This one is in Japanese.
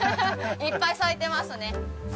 いっぱい咲いてますね。